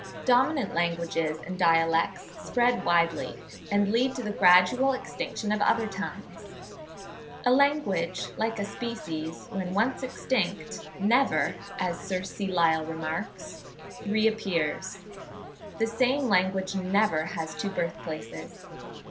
Dominant languages and dialects spread widely, and lead to the gradual extinction of other tongues. A language, like a species, when once extinct, never, as Sir C. Lyell remarks, reappears. The same language never has two birth places.